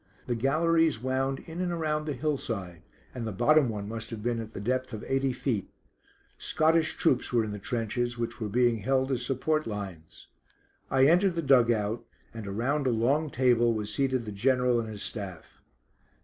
The galleries wound in and around the hill side, and the bottom one must have been at the depth of eighty feet. Scottish troops were in the trenches, which were being held as support lines. I entered the dug out, and around a long table was seated the General and his staff.